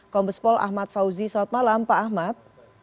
kombespol ahmad fauzi selamat malam pak ahmad